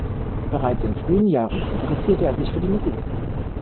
Bereits in frühen Jahren interessierte er sich für die Musik.